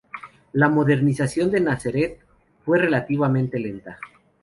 La modernización de Nazaret fue relativamente lenta.